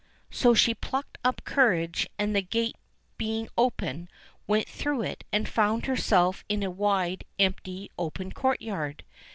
So she plucked up courage, and the gate being open went through it and found herself in a wide, empty, open courtyard.